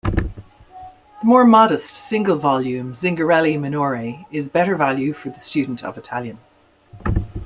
The more modest, single-volume "Zingarelli minore" is better value for the student of Italian.